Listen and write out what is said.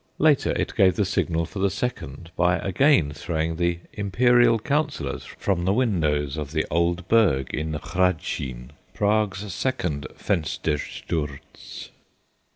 Later, it gave the signal for the second by again throwing the Imperial councillors from the windows of the old Burg in the Hradschin Prague's second "Fenstersturz."